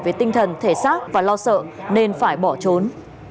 về tinh thần thể xác và lo sợ nên phải bỏ trốn